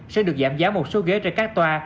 sẽ được giảm giá một số ghế trên các toa